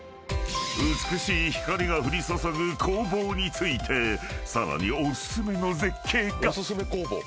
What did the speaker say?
［美しい光が降り注ぐ光芒についてさらにお薦めの絶景が］